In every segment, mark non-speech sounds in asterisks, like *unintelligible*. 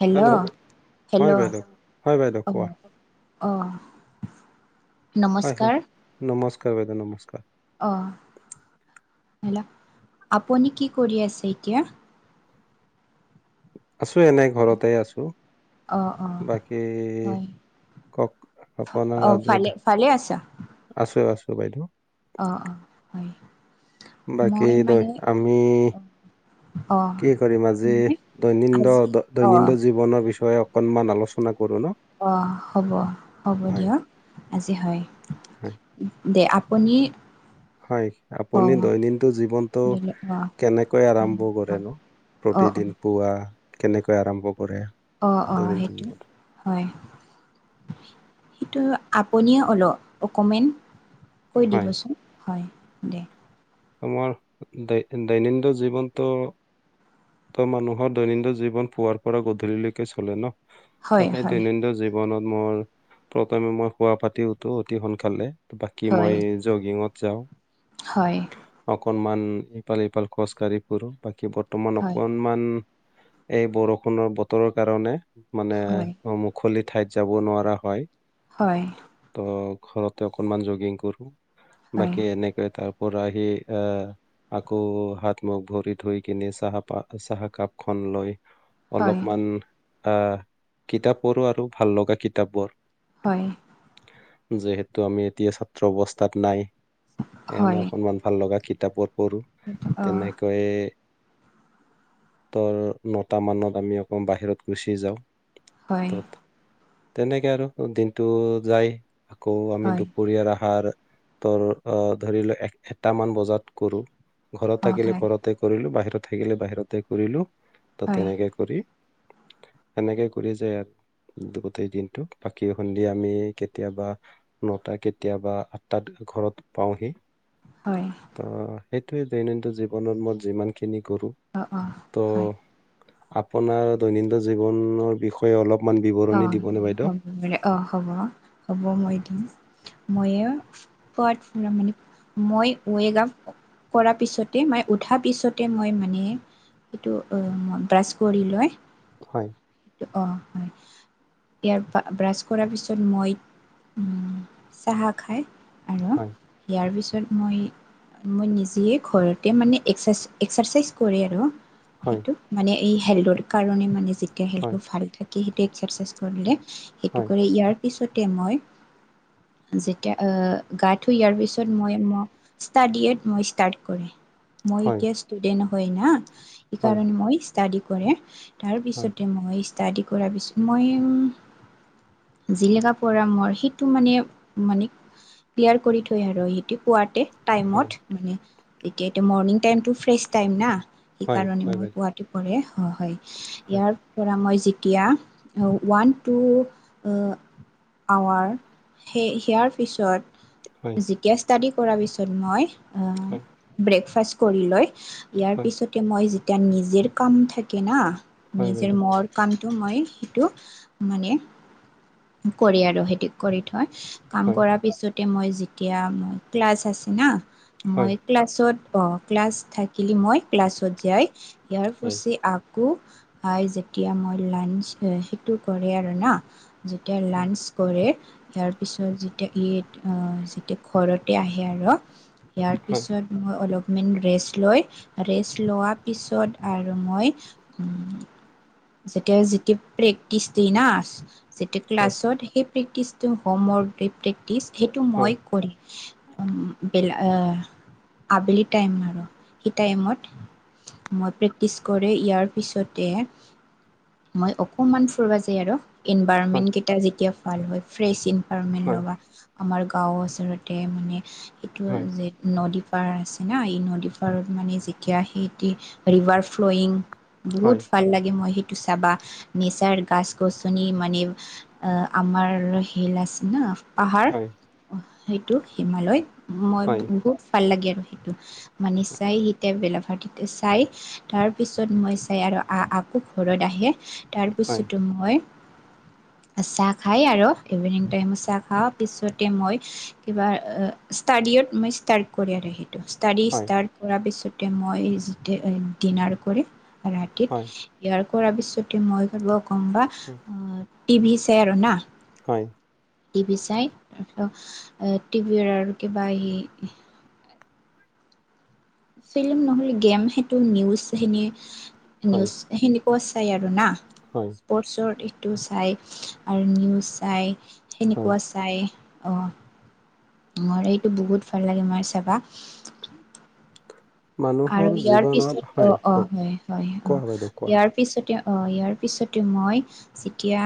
Hello হয় hello বাইদেউ হয় বাইদেউ অঁ কোৱা অঁ হয় হয় নমস্কাৰ নমস্কাৰ বাইদা নমস্কাৰ অ হল আপুনি কি কৰি আছে এতিয়া আছো এনে ঘৰতে আছো অ অ বাকী হয় কওক অ আপোনাৰ আজি ভালে ভালে আছা আছো আছো বাইদেউ অঁ অঁ হয় বাকী মই দয় মানে আমি অ কি কৰিম আজি মই দৈনন্দ আজি অ দৈনন্দ জীৱন জীৱনৰ বিষয়ে অকনমান আলোচনা কৰো ন অঁ হ'ব হ'ব হয় দিয়ক আজি হয় হয় দে আপুনি হয় অ আপুনি দৈনন্দিন জীৱনতটো দিলে অ কেনেকৈ আৰম্ভ কৰে ন অ অ প্ৰতিদিন পুৱা কেনেকৈ আৰম্ভ কৰে অঁ অঁ দৈনন্দিন সেইটো জীৱনটো হয় সেইটো আপুনিয়ে অলপ অকমান কৈ হয় দিবচোন হয় দে আমাৰ দ দৈনন্দিন জীৱনটো ত মানুহৰ দৈনন্দিন জীৱন পুৱোৱাৰ পৰা গধূলিলৈকে চলে ন ত হয় সেই হয় দৈনন্দিন জীৱন জনত মই প্ৰথমে মই শুৱ পাতি উঠো অতি সোনকালে বাকী হয় মই জগিঙত যাওঁ হয় অকনমান ইফাল ইফাল খোজ কঢ়ি পুৰো বাকী বৰ্তমান হয়, অকমান এই বৰষুণৰ বতৰৰ কাৰণে মানে হয়, অ খলি ঠাইত যাব নোৱাৰা হয় হয় ত ঘৰতে অকনমান জগিং কৰো হয়, বাকী এনেকৈ তাৰ পৰাহি আহ আকৌ হাত মুখ ভৰি থই কিনে চাহ পা চাহ কাপ খ লৈ হয়, অলপমান আহ কিতাপ পঢ়োঁ আৰু ভাল লগা কিতাপবোৰ। হয়। যিহেতু আমি এতিয়া ছাত্ৰ অৱস্থাত নাই। হয়, ইমান ভাল লগা কিতাপৰ পঢ়ো অ', তেনেকৈয়ে ধৰ নটা মানত আমি আকৌ বাহিৰত গুচি যাওঁ। হয়, ত'ত তেনেকে আৰু দিনটো যাই। আকৌ আমি হয়, দুপৰীয়াৰ আহাৰ ত'ৰ ধৰি লোৱা এটামান বজাত কৰো ঘৰত অ', থাকিলে হয়, ঘৰতে কৰিলো বাহিৰত থাকিলে বাহিৰতে কৰিলো ত হয়, তেনেকে কৰি সেনেকে কৰি যায় ইয়াত গোটেই দিনটো বাকী সন্ধিয়া আমি কেতিয়াবা নটা কেতিয়াবা আঠটাত ঘৰত পাওঁহি। হয়। ত সেইটোৱে দৈনন্দিন জীৱনত মই যিমানখিনি কৰোঁ। অ' অ' ত হয়, আপোনাৰ দৈনন্দিন জীৱনৰ বিষয়ে কৈ অলপমান বিৱৰণী দিবনে বাইদেউ? অঁ হ'ব হ'ব মই দিম। মইে প মানে মই ৱগ *unintelligible* কৰাৰ পিছতে মই উঠা পিছতে মই মানে এইটোই ব্ৰাছ কৰি লৈ হয়। অ' হয়। ইয়াৰ ব্ৰাছ কৰাৰ পিছত মই চাহ খায় আৰু হয় ইয়াৰ পিছত মই মই নিজে ঘৰতে মানে এক্সাৰ এক্সাৰচাইজ কৰে আৰু হয় সেইটো মানে এই হেল্থৰ কাৰণে মানে যেতিয়া হয় হেল্থটো ভাৰি থাকে সেইটো এক্সাৰচাইজ কৰিলে সেইটো হয় কৰি ইয়াৰ পিছতে মই যেতিয়া আহ গা- ধুই অহাৰ পিছত মই মোক ষ্টাডিয় মই ষ্টাৰ্ট কৰে। মই হয় এতিয়া ষ্টুডেন্ট হয় না সেই হয় কাৰণে মই স্তাডি কৰে তাৰ হয় পিছতে মই ষ্টাডি কৰাৰ পিছত মই যিলকা পৰাঢ় মোৰ সেইটো মানে মানে ক্লিয়াৰ কৰি থৈ আৰু সেইটো পোৱাতে হয় টাইমত মানে এতিয়া এতিয়া মৰ্ণিং টাইমটো ফ্ৰেছ টাইম না হয় সেইকাৰণে হয় মই বাইদেউ পোৱাত কৰে হয় হয় ইয়াৰ পৰা মই জতিয়া ওৱান, টু আৱাৰ সেই সেয়াৰ হয় পিছত যেতিয়া ষ্টডি কৰাৰ পিছত মই হয় ব্ৰেকফাষ্ট কৰি লয় ইয়াৰ হয় পিছতে মই যেতিয়া নিজে কাম থাকে না হয় নিজে বাইদেউ মোৰ কামটো মই সেইটো মানে কৰি আৰু সেইটো কৰি থয় কাম হয় কৰাৰ পিছতে মই যেতিয়া মই ক্লাছ আছে না হয় মই ক্লাছত অ ক্লাছ থাকিলি মই ক্লাছত যাই ইয়াৰ হয় পাছত আকৌ যেতিয়া মই লাঞ্চ সেইটো কৰে আৰু না যেতিয়া হয় লাঞ্চ কৰে। ইয়াৰ পিছত যেতিয়া ই যেতিয়া ঘৰতে আহে আৰু ইয়াৰ হয় পিছত মই অলপ মই ৰেষ্ট লৈ ৰেষ্ট লোৱাৰ পিছত আৰু মই যেতিয়া যেতিয়া প্ৰেক্টিচ দি না যেতিয়া হয় ক্লাছত সেই প্ৰেক্টিচ ট হোম ৱৰ্ক প্ৰেক্টিচ সেইটো মই হয় কৰিম। আবেলি টাইম আৰু সেই টাইমত মই প্ৰেক্টিছ কৰে ইয়াৰ পিছতে মই অকণমান ফুব যায় আৰু হয় ইনভাইৰণমেন্ট কেইটা যেতিয়া ভাল হয় ফ্ৰেছ ইন হয় লবা আমাৰ গাও আচলতে মানে সেইটো হয় হয় যে নদী পাৰ আছে না এই নদী পাৰত মানে যেতিয়া সেইতি ৰিভাৰ ফ্লয়িং বহুত হয় ভাল লাগে মই সেই ুচাবা নেচাৰ গছ গ চুনি মানে অ আমাৰ হেল আছে ন পাহাৰ সেইটো হিমালয় মই হয় বহুত ভাল লাগে আৰু সেইটো মানি চাই সিতে বেলা ভাৰটিতে চাই তাৰ পিছত মই চাই আৰু আহ আকৌ ঘৰত আহে হয় তাৰপিছো মই চাহ খাই আৰু ইভিনিং টাইম চাহ খাওঁ পিছতে মই কিবা ষ্টাডিত মই ষ্টাৰ্ট কৰে আৰু সেইটো তাৰি হয়, তাৰ পৰা পিছতে মই ডিনাৰ কৰে ৰাতিত হয়, ইয়াৰ কৰাৰ পিছতে মই ঘব কম বাা উম, টিভি চাই আৰু না হয় টিভি চাই তাৰপছ টিভ আৰু কিব আহি ফিল্ম নহ'লে গেম সেইটো নিউজখিনি হয়, নিউজ খেন্দি কচ চাই আৰু না হয় স্পৰ্টছৰ এইটো চাই আৰু নিউজ চায় হয়। সেনেকুৱা চায় অঁ ম এইটো বহুত ভাল লাগে মাৰ চাবা আৰু মানুহৰ ইয়াৰ জীৱনত পিছত অ হয় অ কওক হয় হয় অ কোৱা বাইদেউ কোৱা ইয়াৰ পিছতে অ ইয়াৰ পিছতে মই যেতিয়া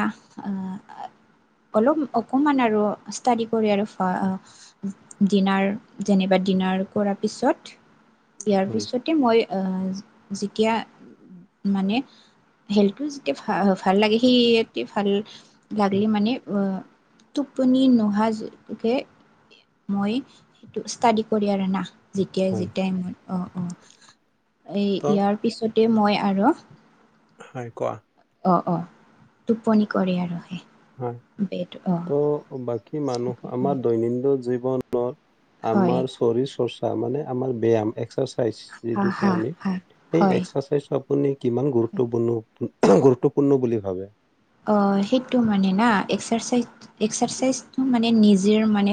অলপ অকমান আৰু ষ্টাডি কৰি আৰু ডিনাৰ যেনিবা ডিনাৰ কৰাৰ পিছত ইয়াৰ হয়, পিছতে মই যেতিয়া মানে হেলটো যেতিয়া ভ ভাল লাগে সিতে ভাল লাগল উম, মানে অ টোপনি নোহোকে মই সেইটো ষ্টাডি কৰি আৰু না যেতিয়াই হয়। যেতিয়াই মই অ অ এই ত' ইয়াৰ পিছতে মই আৰু হয় কোৱা অ অ টোপনি কৰে আৰু সেই হয় বেড অঁ ত' বাকী মানুহ আমাৰ দৈনন্দিন জীৱনত হয় আমাৰ শৰীৰ চৰ্চা মানে আাৰ ব্যায়াম হা হা হা এক্সাৰচাই হয় *unintelligible* আপুনি কিমান গুৰুত্বপূৰ্ণ গুৰুত্বপূৰ্ণ বুলি ভাবে সেইটো মানে না এক্সাৰচাইজ এক্সাৰচাইজটো মানে নিজে মানে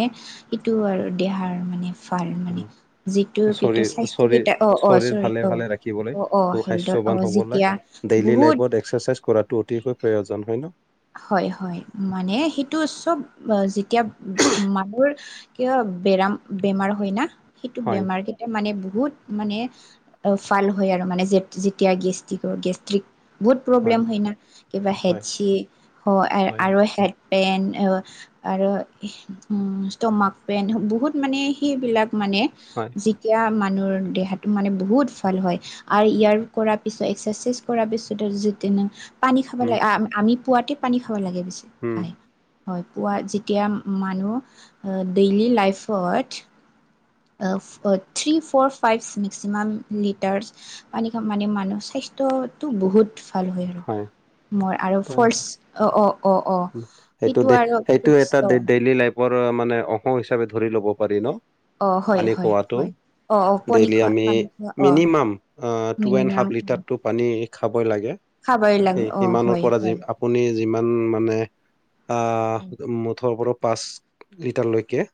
এইটো আৰু দেহাৰ মানে ভাল মানে অ', যিটো কি শৰীৰ শৰীৰ স্বাস্থ্যকেইটা অ অ শৰীৰ চৰি ভালে ভালে ৰাখিবলৈ অ অ হেলডত অ সু-স্বাস্থ্যৱান হ'বলৈ যেতিয়া ডেইলি বহুত লাইফত এক্সাৰচাইজ কৰাটো অতিকৈ প্ৰয়োজন হয় ন হয় হয় মানে সেইটো চব যেতিয়া মানোৰ কিয় বেৰা বেমাৰ হয় না সেইটো হয়, বেমাৰ ক মানে বহুত মানে ভাল হয় আৰু মানে যেতিয়া গেষ্টিকৰ গেষ্ট্ৰিক বহুত প্ৰব্লেম হয় না কিবা হেড হয় চি হয় আৰু হে পেণ্ট আৰু উ ষ্টমাক পেণ্ট বহুত মানে সেইবিলাক মানে হয় যেতিয়া মানুহৰ দেহাটো মানে বহুত ভাল হয় আৰু ইয়াৰ কৰাাৰ পিছত এ্চাৰচাইজ কৰাাৰ পিছত যিটো ন পানী খাব উম লাগে আ আমি পুৱাতে পানী খাব লাগে পিছে হোম হয় পুৱা যেতিয়া মানুহ ডেইলি লাইফত of uh three four five maximum litres পানী খোৱা মানে মানুহ স্বাৰ্থটো বহুত ভাল হয় মই আৰু ফাৰ্ছ অ অঁ হুহ সেইটো দেখ সেইটো এটা অ ডে ডেইলি লাইফ পৰ মানে অংশ হিচাপে ধৰি ল'ব পাৰি ন অ হয় পানী হয় খোৱাটো হয় অ অ পনী ডেইলি খোৱা আমি পানী খোৱা অ minimum uh two and minimum half লিটাৰটো পানী খাবই লাগে। খাবই সি লাগে অ কিমানৰ হয় পৰা যি হয় আপুনি যিমান মানে আহ মুঠৰ ওপৰত পাঁচ লিটাৰলৈকে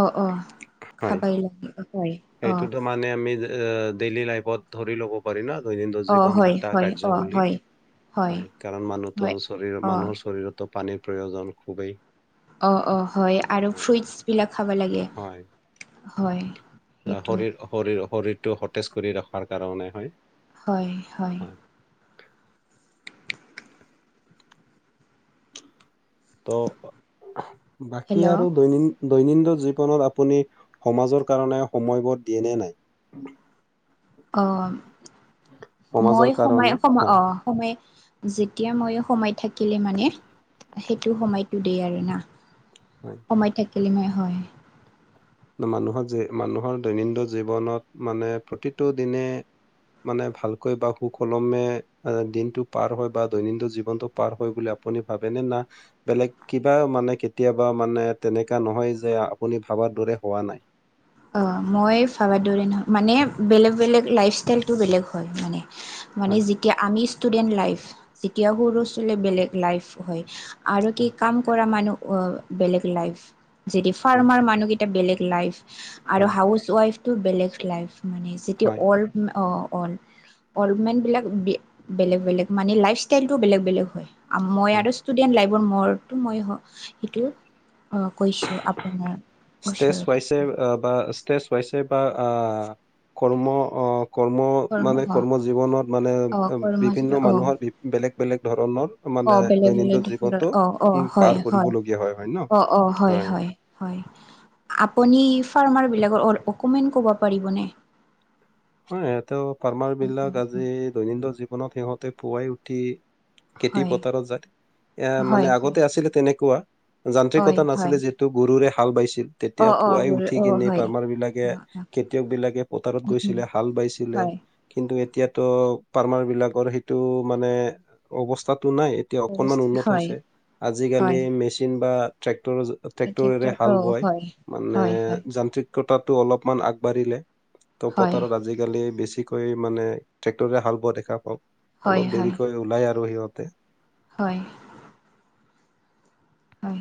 অ অ খাবাই লাগিব হয় অ নে আমি যে এ ডেইলি লাইফত ধৰি লব পাৰি ন দৈনন্দিন অ জীৱনৰ হয় এটা হয় কাৰ্য অ বুলি হয় হয় কাৰণ মানুহতো হয় শৰীৰ অ মানুহৰ শৰীৰতো পানীৰ প্ৰয়োজন খুবেই অঁ অঁ হয় আৰু হয় ফ্ৰুইট্ছ বিলাক খাব লাগে। হয়। হয় আহ, সেইটো শৰীৰ শৰীৰ শৰীৰটো সতেজ কৰি ৰখাৰ কাৰণে হয় হয় হয় ত' বাকী হেল্ল' আৰু দৈনিন দৈনন্দিন জীৱনত আপুনি সমাজৰ কাৰণে সময়বধ দিয়ে নে নাই অ সমাজৰ মই সোমাই কাৰণে সমা হয় অ সময় যেতিয়া মই সোমাই থাকিলে মানে সেইটো সময়তটো দেই আৰু না হয় সময় থাকিলে মই হয় মানুহৰ মানুহৰ দৈনন্দিন জীৱনত মানে প্ৰতিটো দিনে মানে ভালকৈ বা সুকলমে দিনটো পাৰ হয় বা দৈনন্দিন জীৱনটো পাৰ হয় বুলি আপুনি ভাবেনে না বেলেগ কিবা মানে কেতিয়াবা মানে তেনেকা নহয় যে আপুনি ভাৱাৰ দৰে হোৱা নাই অঁ মই ভাবা দৰে ন। মানে বেলেগ বেলেগ লাইফ ষ্টাইলটো বেলেগ হয় মানে মানে হয় যেতিয়া আমি ষ্টুডেন্ট লাইফ এতিয়া সৰু ছোৱালী বেলেগ লাইফ হয় আৰু কি হয় কাম কৰা মানু অ বেলেগ লাইফ যদি হয় ফাৰ্মাৰ মানু গি বেলেগ লাইফ আৰু হয় হাউচ ৱাইফটো বেলেগ লাইফ মানে যদি হয় অল অঁ অ'ল অল মেন বিলাক বে বেলেগ বেলেগ মানে লাইফ ষ্টাইলটো বেলেগ বেলেগ হয় মই হয় আৰু ষ্টুডেণ্ট, লাইফৰমৰতো মই হওঁ সেইটো *unintelligible* অ', কৈছোঁ, আপোনাৰ ষ্টেজ ওচৰত ৱাইছে বা ষ্টেজ ৱাইছে বা আ কৰ্ম অ' কৰ্ম মানে, কৰ্ম জীৱনত মানে অ কৰ্ম বিভিন্ন অ মানুহৰ বেলেগ বেলেগ ধৰণৰ। মানে অ', বেলেগ বেলেগ দৈনন্দিন দিশত জীৱনটো অ', উম অ', হয়, পাৰ হয়, কৰিবলগীয়া হয় ন অ', অ', হয়, হয়। হয়। আপুনি ফাৰ্মাৰ বিলাকৰ অল অকমান ক'ব পাৰিবনে? হয়, সিহঁতেও ফাৰ্মাৰ বিলাক আজি দৈনন্দিন জীৱনত সিহঁতে পুৱাই উঠি খেতি হয় পথাৰত যায়, এ, মানে হয় আগতে আছিলে তেনেকুৱা। হয় যান্ত্ৰিকতা হয় নাছিলে যিহেতু গৰুৰে হাল বাইছিল। অ তেতিয়া অ পুৱাই গৰু উঠি অ কিনি হয় ফাৰ্মাৰ বিলাকে, অ অ খেতিয়ক বিলাকে পথাৰত উম উম গৈছিলে। হাল বাইছিলে। হয় কিন্তু এতিয়াতো ফাৰ্মাৰ বিলাকৰ সেইটো মানে অৱস্থাতটো নাই এতিয়া অকনমান উন্নত হয় হৈছে। আজিকালি হয় মেচিন বা ট্ৰেক্টৰৰ যে ট্ৰেক্টৰ ট্ৰেক্টৰেৰে অ হাল বোৱাই, হয় মানে হয় হয় যান্ত্ৰিক কতাটো অলপমান আগবাঢ়িলে, ত' হয় পতাৰত আজিকালি বেছিক কৈ মানে ট্ৰেক্টৰেৰে হাল বোৱা দেখা পাওঁ, হয় অলপ হয় দেৰিকৈ ওলাই আৰু সিহঁতে হয়। হয়।